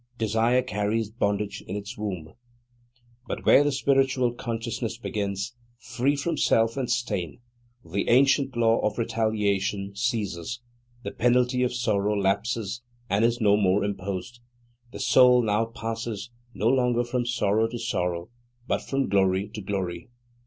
Desire carries bondage in its womb. But where the pure spiritual consciousness begins, free from self and stain, the ancient law of retaliation ceases; the penalty of sorrow lapses and is no more imposed. The soul now passes, no longer from sorrow to sorrow, but from glory to glory.